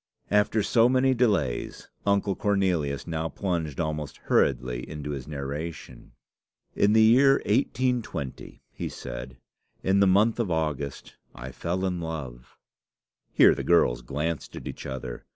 After so many delays, Uncle Cornelius now plunged almost hurriedly into his narration. "In the year 1820," he said, "in the month of August, I fell in love." Here the girls glanced at each other.